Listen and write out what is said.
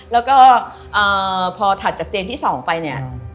แล้วก็พอถัดจากเตียงที่๒ไปเนี่ย